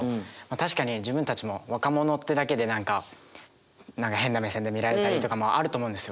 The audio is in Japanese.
確かに自分たちも若者ってだけで何か何か変な目線で見られたりとかもあると思うんですよ。